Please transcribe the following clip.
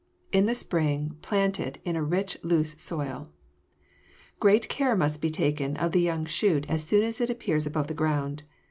In the spring plant it in a rich, loose soil. Great care must be taken of the young shoot as soon as it appears above the ground.